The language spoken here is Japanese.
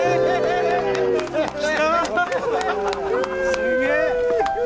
すげえ。